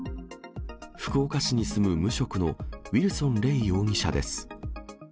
福岡市に住む無職のウィルソン嶺容疑者です。